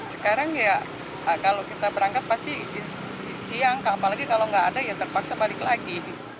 sekarang ya kalau kita berangkat pasti siang apalagi kalau nggak ada ya terpaksa balik lagi